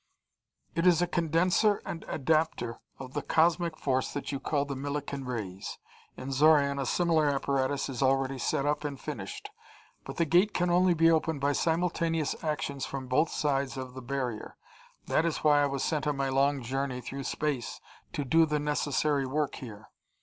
"It is a condenser and adapter of the cosmic force that you call the Millikan rays. In Xoran a similar apparatus is already set up and finished, but the Gate can only be opened by simultaneous actions from both sides of the barrier. That is why I was sent on my long journey through space to do the necessary work here.